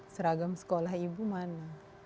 seragam sekolah ibu mana